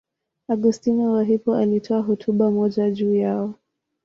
Augustino wa Hippo alitoa hotuba moja juu yao.